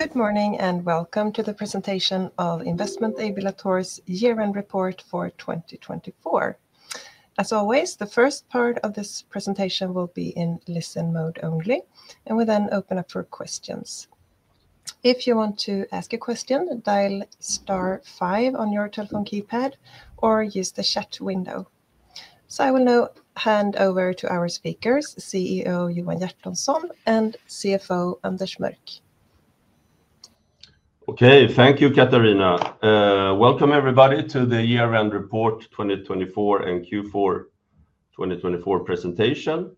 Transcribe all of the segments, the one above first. Good morning and welcome to the presentation of Investment AB Latour's Year-End Report for 2024. As always, the first part of this presentation will be in listen mode only, and we then open up for questions. If you want to ask a question, dial star five on your telephone keypad or use the chat window, so I will now hand over to our speakers, CEO Johan Hjertonsson and CFO Anders Mörck. Okay, thank you, Katarina. Welcome, everybody, to the Year-End Report 2024 and Q4 2024 presentation.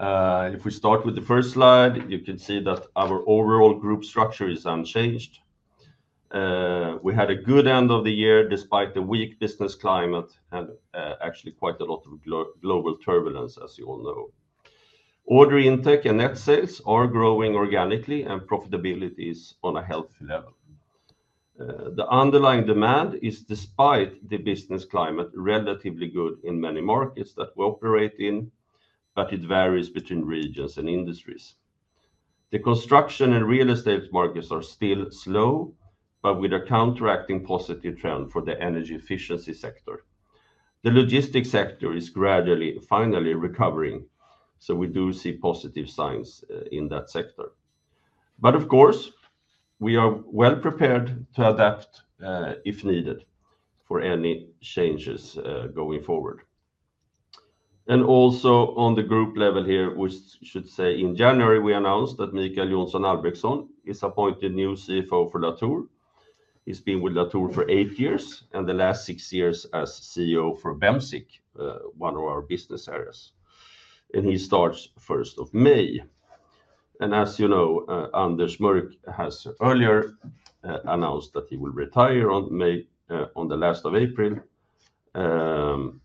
If we start with the first slide, you can see that our overall group structure is unchanged. We had a good end of the year despite the weak business climate and actually quite a lot of global turbulence, as you all know. Order intake and net sales are growing organically, and profitability is on a healthy level. The underlying demand is, despite the business climate, relatively good in many markets that we operate in, but it varies between regions and industries. The construction and real estate markets are still slow, but with a counteracting positive trend for the energy efficiency sector. The logistics sector is gradually finally recovering, so we do see positive signs in that sector. But of course, we are well prepared to adapt if needed for any changes going forward. And also on the group level here, we should say in January we announced that Mikael Johnsson is appointed new CFO for Latour. He's been with Latour for eight years and the last six years as CEO for Bemsiq, one of our business areas. And he starts 1st of May. And as you know, Anders Mörck has earlier announced that he will retire on the last of April.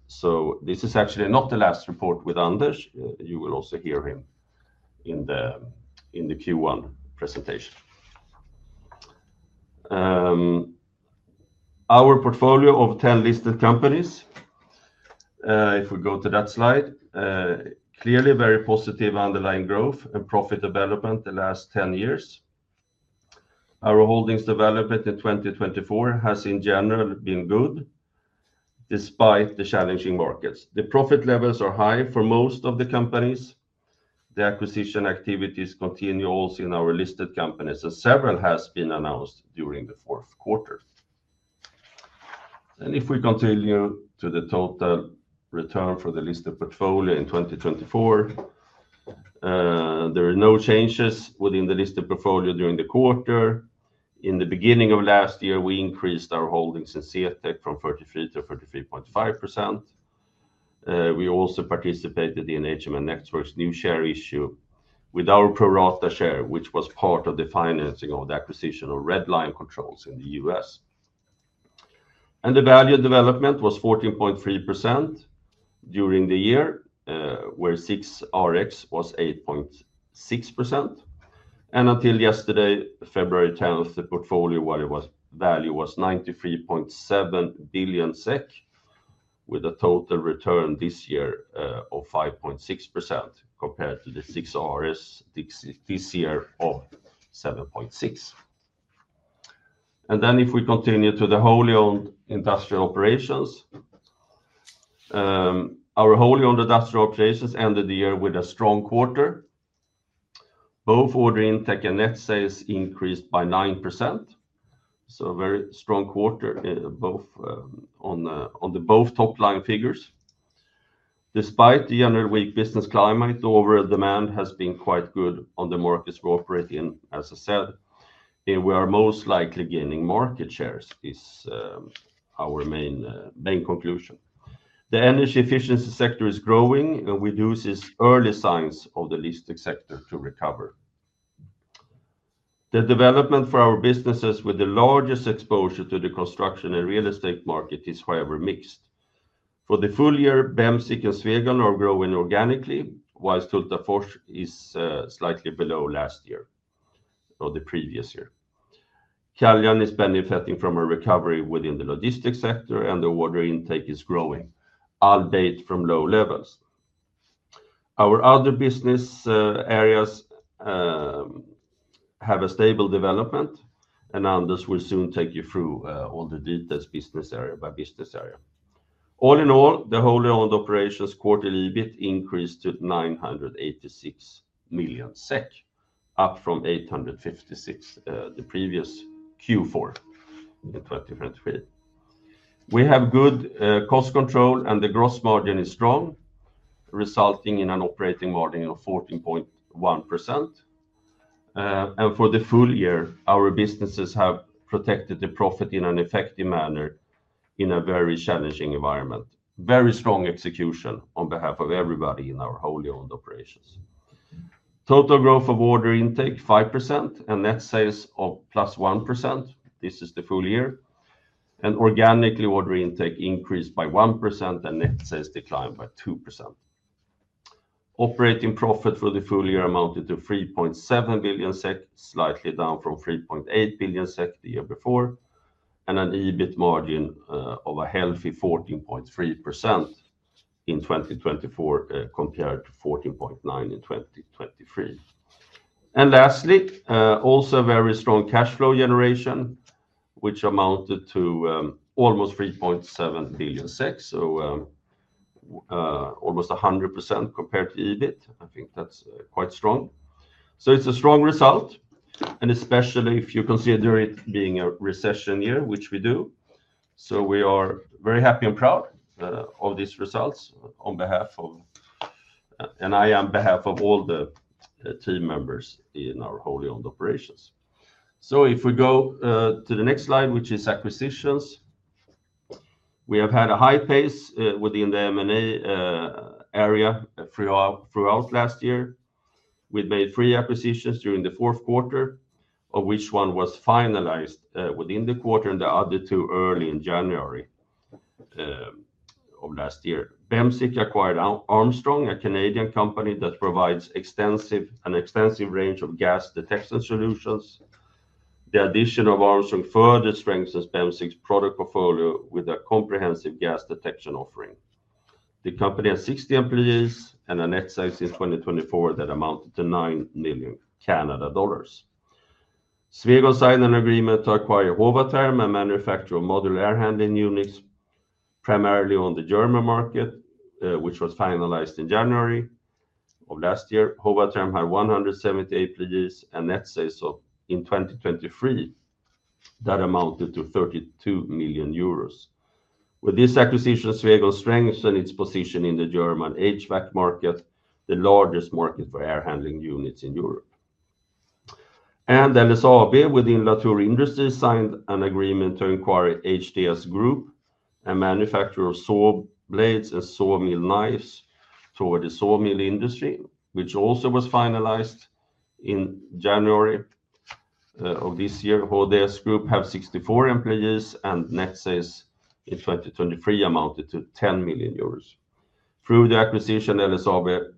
So this is actually not the last report with Anders. You will also hear him in the Q1 presentation. Our portfolio of 10 listed companies, if we go to that slide, clearly very positive underlying growth and profit development the last 10 years. Our holdings development in 2024 has, in general, been good despite the challenging markets. The profit levels are high for most of the companies. The acquisition activities continue also in our listed companies, and several have been announced during the fourth quarter. If we continue to the total return for the listed portfolio in 2024, there are no changes within the listed portfolio during the quarter. In the beginning of last year, we increased our holdings in CTEK from 33% to 33.5%. We also participated in HMS Networks' new share issue with our pro rata share, which was part of the financing of the acquisition of Red Lion Controls in the U.S. The value development was 14.3% during the year, where SIXRX was 8.6%. Until yesterday, February 10th, the portfolio value was 93.7 billion SEK, with a total return this year of 5.6% compared to the SIXRX this year of 7.6%. And then if we continue to the wholly owned industrial operations, our wholly owned industrial operations ended the year with a strong quarter. Both order intake and net sales increased by 9%. So a very strong quarter on the both top line figures. Despite the general weak business climate, overall demand has been quite good on the markets we operate in, as I said, and we are most likely gaining market shares is our main conclusion. The energy efficiency sector is growing, and we do see early signs of the listed sector to recover. The development for our businesses with the largest exposure to the construction and real estate market is, however, mixed. For the full year, Bemsiq and Swegon are growing organically, while Hultafors is slightly below last year or the previous year. Caljan is benefiting from a recovery within the logistics sector, and the order intake is growing, albeit from low levels. Our other business areas have a stable development, and Anders will soon take you through all the details, business area by business area. All in all, the wholly owned operations quarterly EBIT increased to 986 million SEK, up from 856 million the previous Q4 in 2023. We have good cost control, and the gross margin is strong, resulting in an operating margin of 14.1%. For the full year, our businesses have protected the profit in an effective manner in a very challenging environment. Very strong execution on behalf of everybody in our wholly owned operations. Total growth of order intake 5% and net sales of plus 1%. This is the full year. Organically, order intake increased by 1% and net sales declined by 2%. Operating profit for the full year amounted to 3.7 billion SEK, slightly down from 3.8 billion SEK the year before, and an EBIT margin of a healthy 14.3% in 2024 compared to 14.9% in 2023. And lastly, also a very strong cash flow generation, which amounted to almost 3.7 billion, so almost 100% compared to EBIT. I think that's quite strong. So it's a strong result, and especially if you consider it being a recession year, which we do. So we are very happy and proud of these results on behalf of, and I am on behalf of all the team members in our wholly owned operations. So if we go to the next slide, which is acquisitions, we have had a high pace within the M&A area throughout last year. We've made three acquisitions during the fourth quarter, of which one was finalized within the quarter and the other two early in January of last year. Bemsiq acquired Armstrong, a Canadian company that provides an extensive range of gas detection solutions. The addition of Armstrong further strengthens Bemsiq's product portfolio with a comprehensive gas detection offering. The company has 60 employees and net sales in 2024 that amounted to 9 million dollars. Swegon signed an agreement to acquire Howatherm, a manufacturer of modular air handling units, primarily on the German market, which was finalized in January of last year. Howatherm had 170 employees and net sales in 2023 that amounted to 32 million euros. With this acquisition, Swegon strengthened its position in the German HVAC market, the largest market for air handling units in Europe. LSAB within Latour Industries signed an agreement to acquire HDS Group, a manufacturer of saw blades and sawmill knives for the sawmill industry, which also was finalized in January of this year. HDS Group has 64 employees and net sales in 2023 amounted to 10 million euros. Through the acquisition, LSAB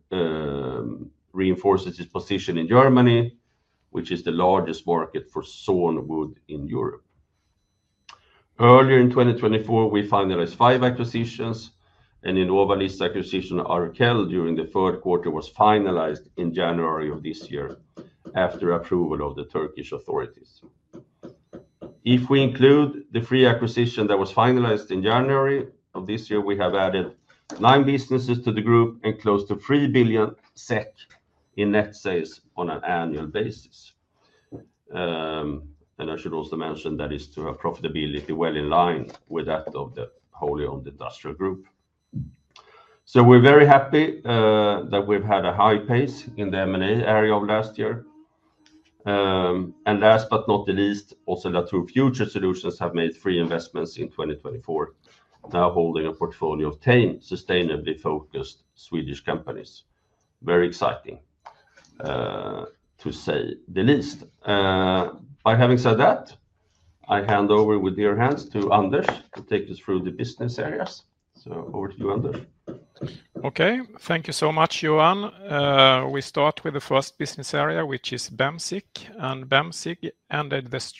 reinforces its position in Germany, which is the largest market for sawn wood in Europe. Earlier in 2024, we finalized five acquisitions, and Innovalift's acquisition, Arkel, during the third quarter was finalized in January of this year after approval of the Turkish authorities. If we include the three acquisitions that were finalized in January of this year, we have added nine businesses to the group and close to 3 billion SEK in net sales on an annual basis. I should also mention that it is to have profitability well in line with that of the wholly owned industrial group. So we're very happy that we've had a high pace in the M&A area of last year. And last but not least, also Latour Future Solutions have made three investments in 2024, now holding a portfolio of 10 sustainably focused Swedish companies. Very exciting, to say the least. Having said that, I hand over to Anders to take us through the business areas. Over to you, Anders. Okay, thank you so much, Johan. We start with the first business area, which is Bemsiq, and Bemsiq ended this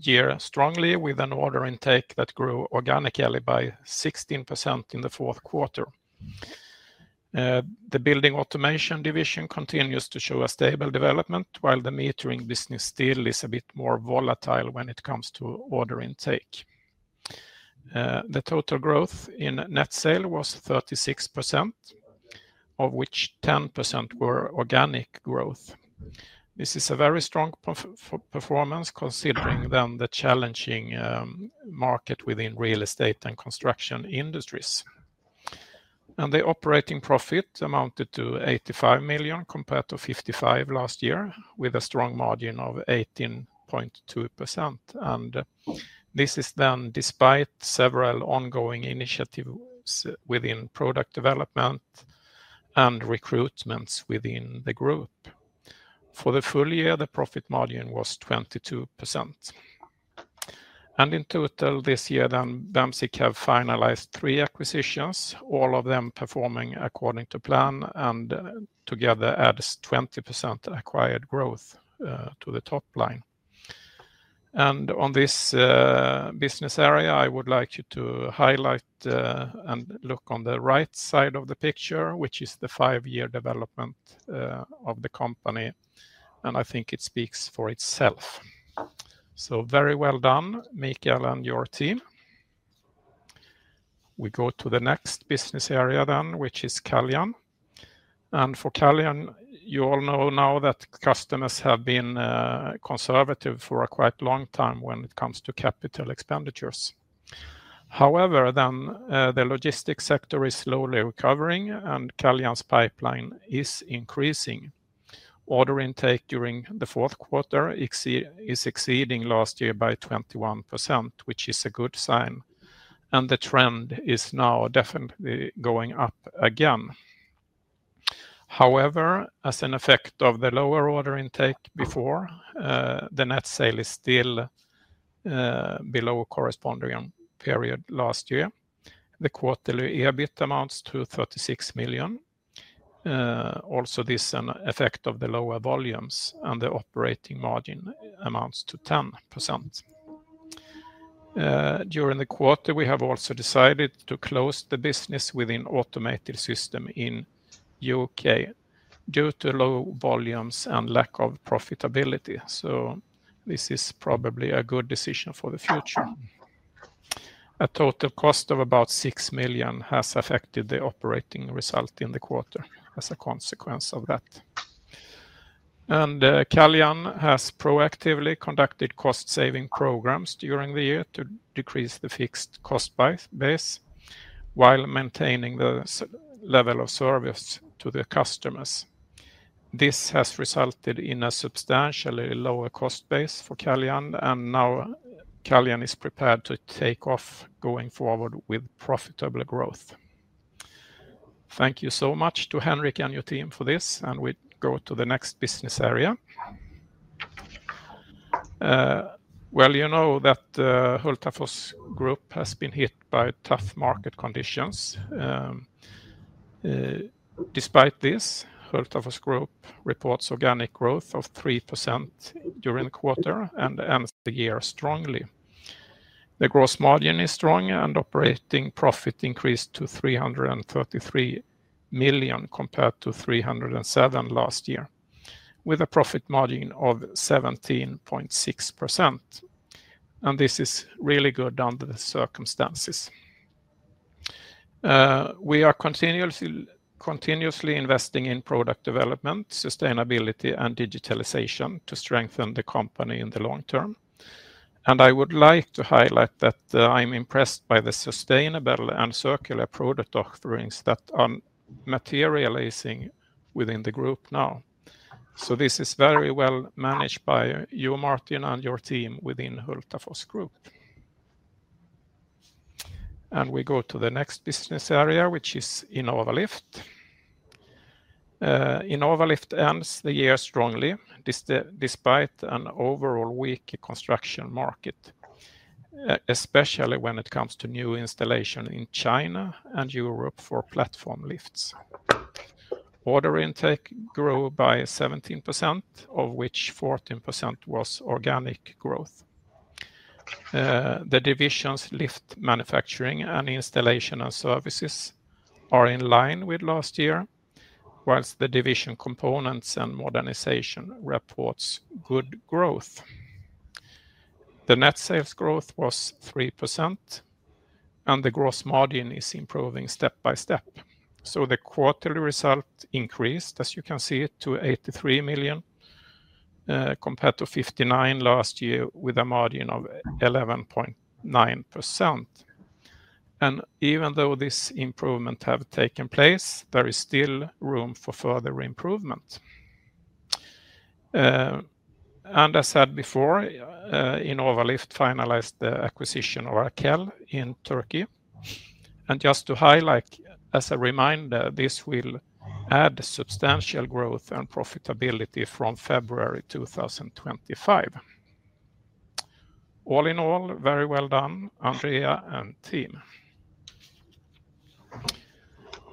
year strongly with an order intake that grew organically by 16% in the fourth quarter. The building automation division continues to show a stable development, while the metering business still is a bit more volatile when it comes to order intake. The total growth in net sale was 36%, of which 10% were organic growth. This is a very strong performance considering then the challenging market within real estate and construction industries. The operating profit amounted to 85 million compared to 55 million last year, with a strong margin of 18.2%, and this is then despite several ongoing initiatives within product development and recruitments within the group. For the full year, the profit margin was 22%. In total this year, then Bemsiq have finalized three acquisitions, all of them performing according to plan, and together adds 20% acquired growth to the top line. And on this business area, I would like you to highlight and look on the right side of the picture, which is the five-year development of the company, and I think it speaks for itself. So very well done, Mikael and your team. We go to the next business area then, which is Caljan. And for Caljan, you all know now that customers have been conservative for a quite long time when it comes to capital expenditures. However, then the logistics sector is slowly recovering, and Caljan's pipeline is increasing. Order intake during the fourth quarter is exceeding last year by 21%, which is a good sign, and the trend is now definitely going up again. However, as an effect of the lower order intake before, the net sales is still below corresponding period last year. The quarterly EBIT amounts to 36 million. Also, this is an effect of the lower volumes, and the operating margin amounts to 10%. During the quarter, we have also decided to close the business within automated systems in U.K. due to low volumes and lack of profitability, so this is probably a good decision for the future. A total cost of about 6 million has affected the operating result in the quarter as a consequence of that, and Caljan has proactively conducted cost-saving programs during the year to decrease the fixed cost base, while maintaining the level of service to the customers. This has resulted in a substantially lower cost base for Caljan, and now Caljan is prepared to take off going forward with profitable growth. Thank you so much to Henrik and your team for this, and we go to the next business area. You know that Hultafors Group has been hit by tough market conditions. Despite this, Hultafors Group reports organic growth of 3% during the quarter and ends the year strongly. The gross margin is strong, and operating profit increased to 333 million compared to 307 million last year, with a profit margin of 17.6%. This is really good under the circumstances. We are continuously investing in product development, sustainability, and digitalization to strengthen the company in the long term. I would like to highlight that I'm impressed by the sustainable and circular product offerings that are materializing within the group now. This is very well managed by you, Martin, and your team within Hultafors Group. We go to the next business area, which is Innovalift. Innovalift ends the year strongly, despite an overall weak construction market, especially when it comes to new installation in China and Europe for platform lifts. Order intake grew by 17%, of which 14% was organic growth. The division's lift manufacturing and installation and services are in line with last year, while the division components and modernization reports good growth. The net sales growth was 3%, and the gross margin is improving step by step. So the quarterly result increased, as you can see, to 83 million compared to 59 million last year with a margin of 11.9%. And even though this improvement has taken place, there is still room for further improvement. And as said before, Innovalift finalized the acquisition of Arkel in Turkey. And just to highlight, as a reminder, this will add substantial growth and profitability from February 2025. All in all, very well done, Andrea and team.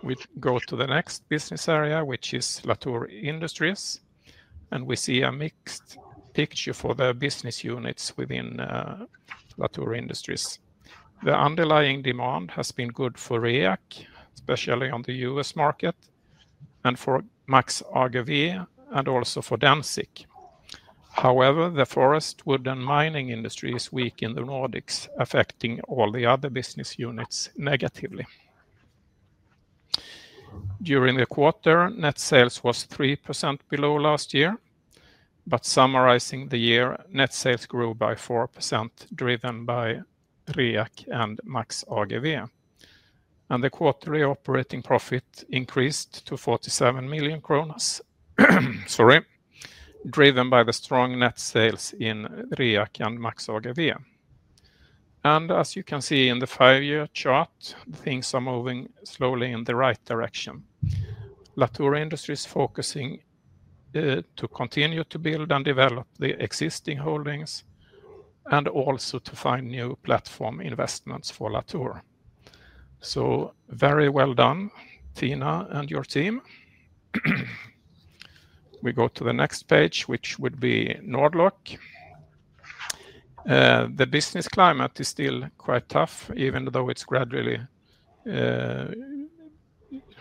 We go to the next business area, which is Latour Industries, and we see a mixed picture for the business units within Latour Industries. The underlying demand has been good for REAC, especially on the U.S. market, and for MAXAGV, and also for DENSIQ. However, the forest wood and mining industry is weak in the Nordics, affecting all the other business units negatively. During the quarter, net sales was 3% below last year, but summarizing the year, net sales grew by 4%, driven by REAC and MAXAGV, and the quarterly operating profit increased to 47 million kronor, sorry, driven by the strong net sales in REAC and MAXAGV. And as you can see in the five-year chart, things are moving slowly in the right direction. Latour Industries is focusing to continue to build and develop the existing holdings and also to find new platform investments for Latour. So very well done, Tina and your team. We go to the next page, which would be Nord-Lock. The business climate is still quite tough, even though it's gradually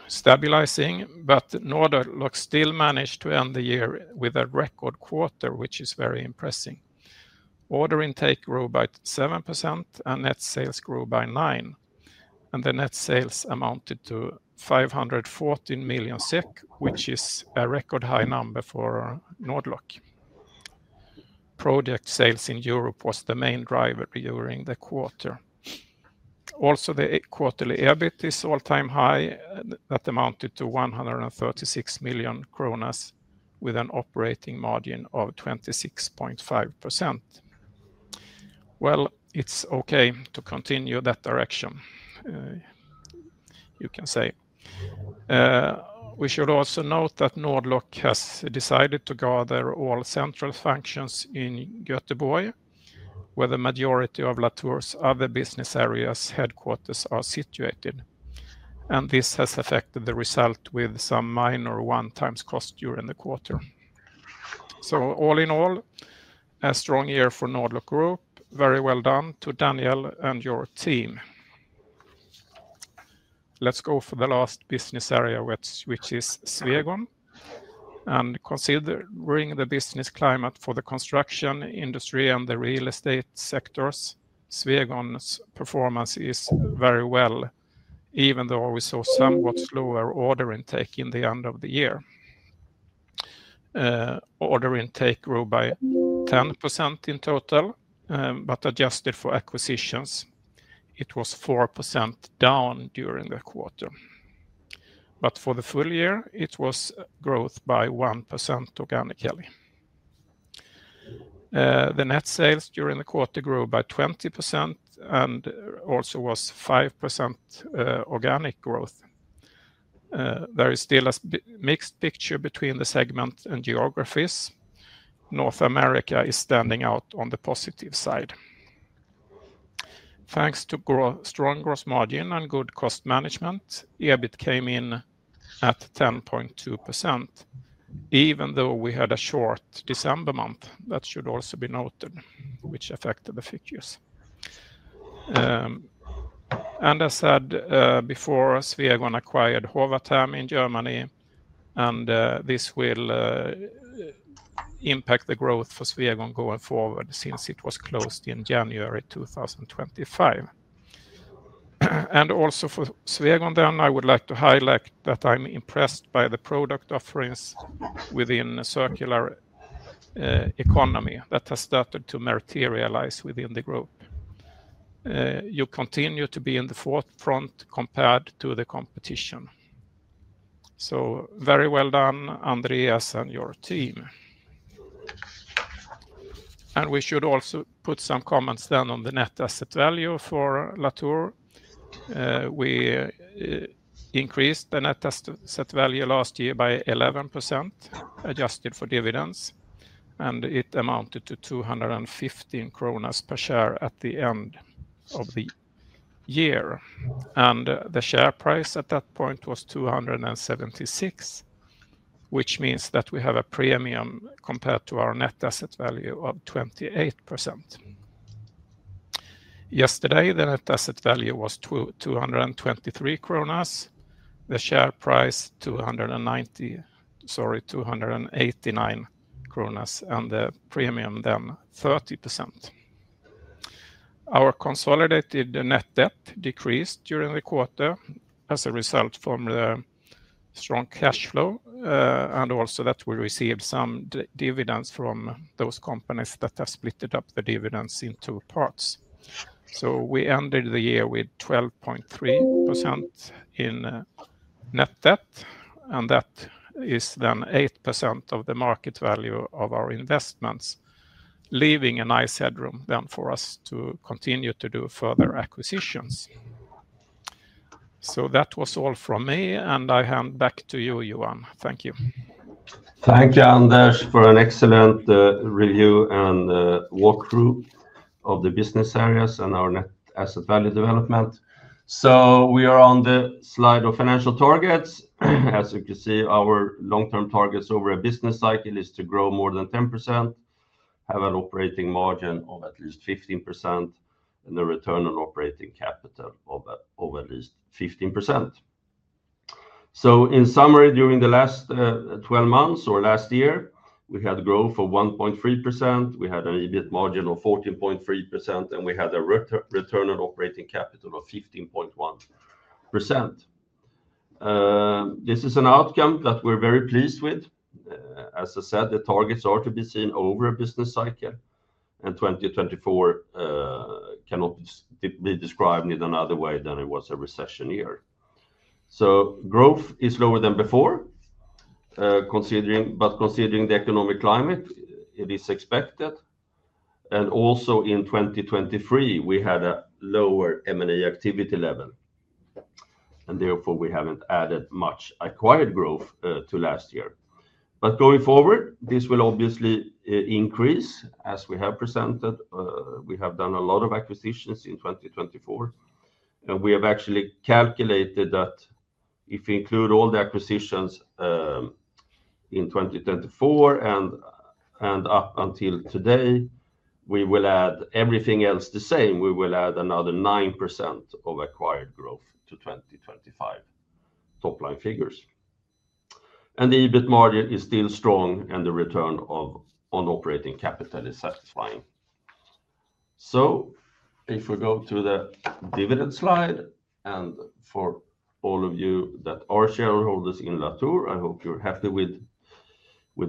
stabilizing, but Nord-Lock still managed to end the year with a record quarter, which is very impressive. Order intake grew by 7%, and net sales grew by 9%. And the net sales amounted to 514 million SEK, which is a record high number for Nord-Lock. Project sales in Europe was the main driver during the quarter. Also, the quarterly EBIT is all-time high that amounted to 136 million kronor with an operating margin of 26.5%. Well, it's okay to continue that direction, you can say. We should also note that Nord-Lock has decided to gather all central functions in Göteborg, where the majority of Latour's other business areas' headquarters are situated. This has affected the result with some minor one-time costs during the quarter. All in all, a strong year for Nord-Lock Group. Very well done to Daniel and your team. Let's go for the last business area, which is Swegon. Considering the business climate for the construction industry and the real estate sectors, Swegon's performance is very well, even though we saw somewhat slower order intake in the end of the year. Order intake grew by 10% in total, but adjusted for acquisitions, it was 4% down during the quarter. For the full year, it was growth by 1% organically. The net sales during the quarter grew by 20% and also was 5% organic growth. There is still a mixed picture between the segments and geographies. North America is standing out on the positive side. Thanks to strong gross margin and good cost management, EBIT came in at 10.2%, even though we had a short December month. That should also be noted, which affected the figures. And as said before, Swegon acquired Howatherm in Germany, and this will impact the growth for Swegon going forward since it was closed in January 2025. And also for Swegon then, I would like to highlight that I'm impressed by the product offerings within the circular economy that has started to materialize within the group. You continue to be in the forefront compared to the competition. So very well done, Andreas and your team. And we should also put some comments then on the net asset value for Latour. We increased the net asset value last year by 11%, adjusted for dividends, and it amounted to 215 kronor per share at the end of the year. The share price at that point was 276, which means that we have a premium compared to our net asset value of 28%. Yesterday, the net asset value was 223 kronor, the share price 290, sorry, 289 kronor, and the premium then 30%. Our consolidated net debt decreased during the quarter as a result from the strong cash flow, and also that we received some dividends from those companies that have split up the dividends in two parts. So we ended the year with 12.3% in net debt, and that is then 8% of the market value of our investments, leaving a nice headroom then for us to continue to do further acquisitions. So that was all from me, and I hand back to you, Johan. Thank you. Thank you, Anders, for an excellent review and walkthrough of the business areas and our net asset value development. So we are on the slide of financial targets. As you can see, our long-term targets over a business cycle is to grow more than 10%, have an operating margin of at least 15%, and a return on operating capital of at least 15%. So in summary, during the last 12 months or last year, we had growth of 1.3%, we had an EBIT margin of 14.3%, and we had a return on operating capital of 15.1%. This is an outcome that we're very pleased with. As I said, the targets are to be seen over a business cycle, and 2024 cannot be described in another way than it was a recession year. So growth is lower than before, but considering the economic climate, it is expected. And also in 2023, we had a lower M&A activity level, and therefore we haven't added much acquired growth to last year. But going forward, this will obviously increase as we have presented. We have done a lot of acquisitions in 2024, and we have actually calculated that if we include all the acquisitions in 2024 and up until today, we will add everything else the same. We will add another nine% of acquired growth to 2025 top-line figures. And the EBIT margin is still strong, and the return on operating capital is satisfying. So if we go to the dividend slide, and for all of you that are shareholders in Latour, I hope you're happy with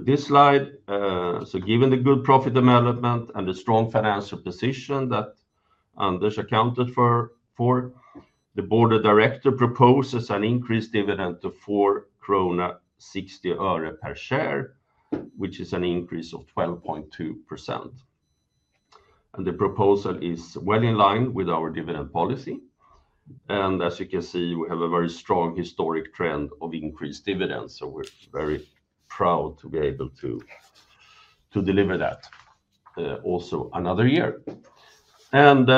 this slide. So given the good profit development and the strong financial position that Anders accounted for, the board of directors proposes an increased dividend to SEK 4.60 per share, which is an increase of 12.2%. And the proposal is well in line with our dividend policy. And as you can see, we have a very strong historic trend of increased dividends, so we're very proud to be able to deliver that also another year. And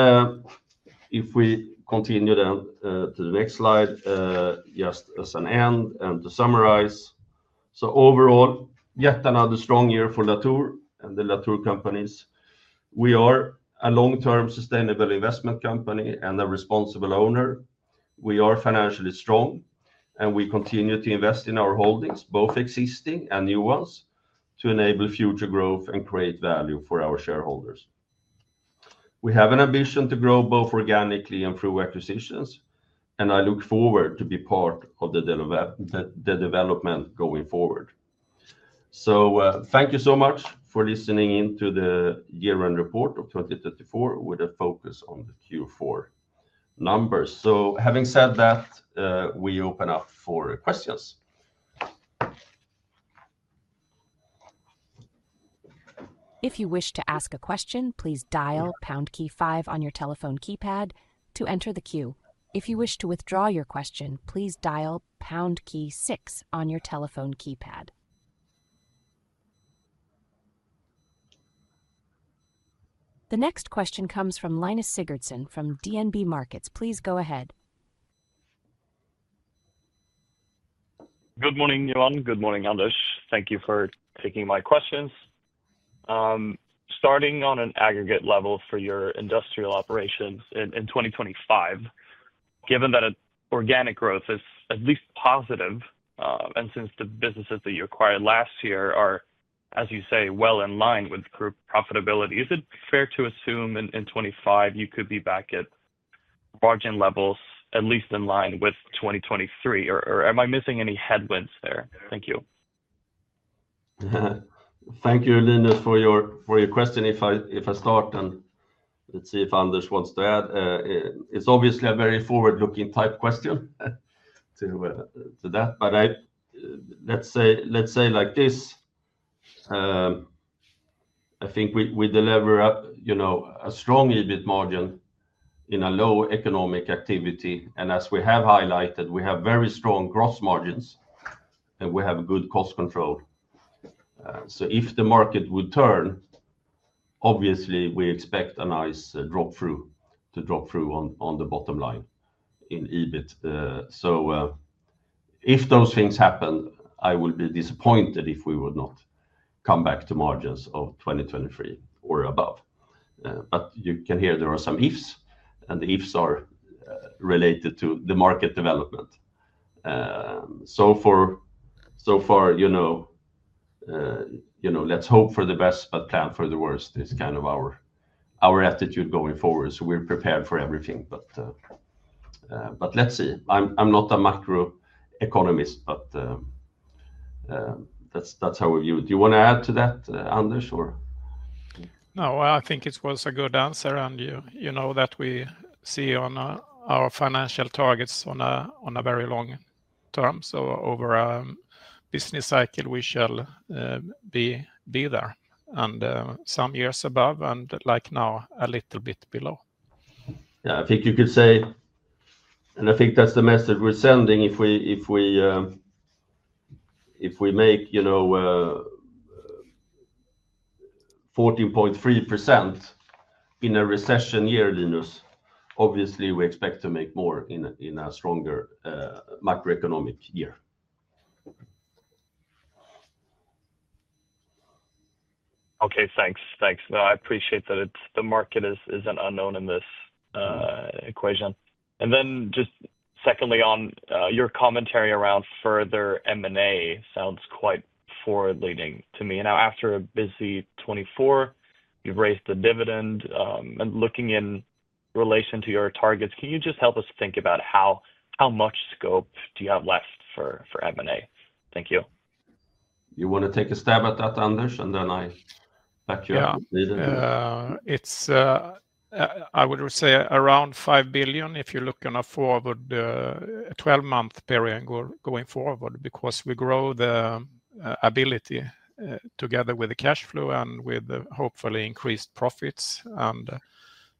if we continue then to the next slide, just as an end and to summarize. So overall, yet another strong year for Latour and the Latour companies. We are a long-term sustainable investment company and a responsible owner. We are financially strong, and we continue to invest in our holdings, both existing and new ones, to enable future growth and create value for our shareholders. We have an ambition to grow both organically and through acquisitions, and I look forward to being part of the development going forward. So thank you so much for listening in to the year-end report of 2024 with a focus on the Q4 numbers. So having said that, we open up for questions. If you wish to ask a question, please dial pound key 5 on your telephone keypad to enter the queue. If you wish to withdraw your question, please dial pound key 6 on your telephone keypad. The next question comes from Linus Sigurdsson from DNB Markets. Please go ahead. Good morning, Johan. Good morning, Anders. Thank you for taking my questions. Starting on an aggregate level for your industrial operations in 2025, given that organic growth is at least positive, and since the businesses that you acquired last year are, as you say, well in line with profitability, is it fair to assume in 2025 you could be back at margin levels at least in line with 2023, or am I missing any headwinds there? Thank you. Thank you, Linus, for your question. If I start and let's see if Anders wants to add, it's obviously a very forward-looking type question to that, but let's say like this. I think we deliver a strong EBIT margin in a low economic activity, and as we have highlighted, we have very strong gross margins, and we have good cost control. So if the market would turn, obviously we expect a nice drop through on the bottom line in EBIT. So if those things happen, I will be disappointed if we would not come back to margins of 2023 or above. But you can hear there are some ifs, and the ifs are related to the market development. So far, let's hope for the best, but plan for the worst is kind of our attitude going forward. So we're prepared for everything, but let's see. I'm not a macro economist, but that's how we view it. Do you want to add to that, Anders, or? No, I think it was a good answer, and you know that we see on our financial targets on a very long term. So over a business cycle, we shall be there, and some years above, and like now, a little bit below. Yeah, I think you could say, and I think that's the message we're sending. If we make 14.3% in a recession year, Linus, obviously we expect to make more in a stronger macroeconomic year. Okay, thanks. Thanks. No, I appreciate that the market is an unknown in this equation, and then just secondly on your commentary around further M&A sounds quite forward-leaning to me. Now, after a busy 2024, you've raised the dividend, and looking in relation to your targets, can you just help us think about how much scope do you have left for M&A? Thank you. You want to take a stab at that, Anders, and then I back you up. Yeah, I would say around five billion if you're looking at a 12-month period going forward, because we grow the ability together with the cash flow and with hopefully increased profits, and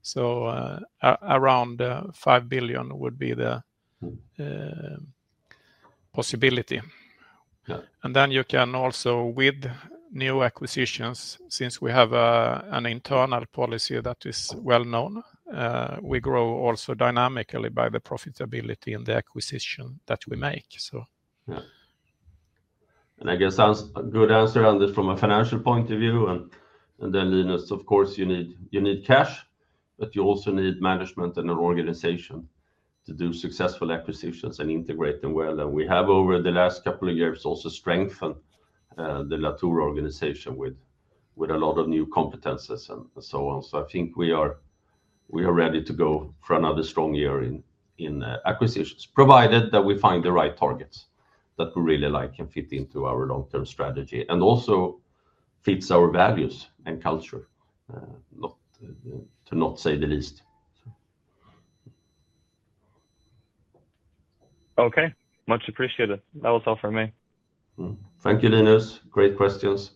so around five billion would be the possibility, and then you can also, with new acquisitions, since we have an internal policy that is well known, we grow also dynamically by the profitability and the acquisition that we make. And I guess that's a good answer, Anders, from a financial point of view. And then, Linus, of course, you need cash, but you also need management and an organization to do successful acquisitions and integrate them well. And we have, over the last couple of years, also strengthened the Latour organization with a lot of new competencies and so on. So I think we are ready to go for another strong year in acquisitions, provided that we find the right targets that we really like and fit into our long-term strategy and also fits our values and culture, to not say the least. Okay, much appreciated. That was all from me. Thank you, Linus. Great questions.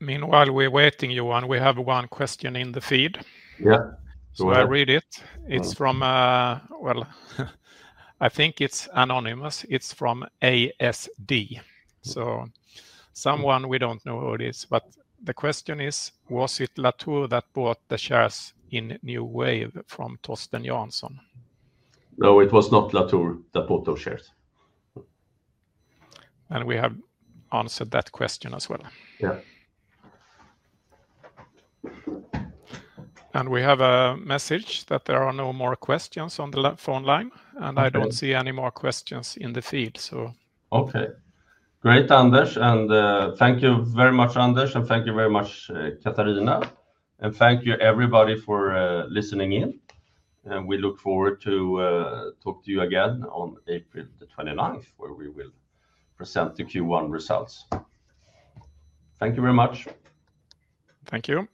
Meanwhile, we're waiting, Johan. We have one question in the feed. Yeah, go ahead. So I'll read it. It's from, well, I think it's anonymous. It's from ASD. So someone we don't know who it is, but the question is, was it Latour that bought the shares in New Wave from Torsten Jansson? No, it was not Latour that bought those shares. And we have answered that question as well. Yeah. And we have a message that there are no more questions on the phone line, and I don't see any more questions in the feed, so. Okay. Great, Anders. And thank you very much, Anders, and thank you very much, Katarina. And thank you, everybody, for listening in. And we look forward to talking to you again on April the 29th, where we will present the Q1 results. Thank you very much. Thank you.